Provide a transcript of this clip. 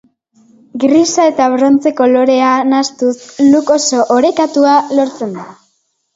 Grisa eta brontze kolorea nahastuz look oso orekatua lortzen da.